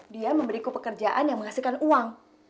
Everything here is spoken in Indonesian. dia memberiku pekerjaan yang menghasilkan uang